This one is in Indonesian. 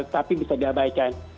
tapi bisa diabaikan